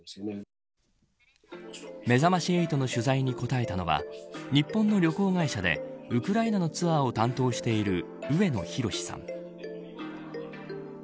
めざまし８の取材に答えたのは日本の旅行会社でウクライナのツアーを担当している上野宏さん。